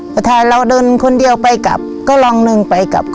ประธานเราเดินคนเดียวไปกลับก็ลองหนึ่งไปกลับ